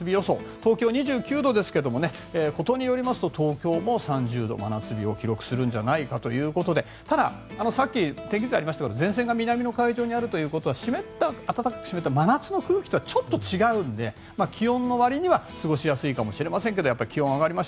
東京、２９度ですがことによりますと東京も３０度真夏日を記録するんじゃないかということでただ、さっき天気図ありましたが前線が南の海上にあるということは湿った真夏の空気とはちょっと違うんで気温のわりには過ごしやすいかもしれませんがやっぱり気温は上がります。